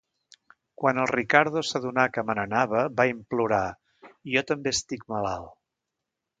Quan el Riccardo s'adonà que me n'anava va implorar, jo també estic malalt.